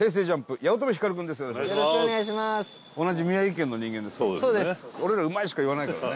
伊達：俺ら「うまい」しか言わないからね。